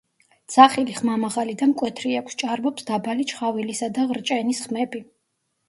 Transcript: ძახილი ხმამაღალი და მკვეთრი აქვს, ჭარბობს დაბალი ჩხავილისა და ღრჭენის ხმები.